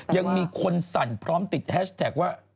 ยังมีคนสั่นพร้อมติดแฮชแท็กว่า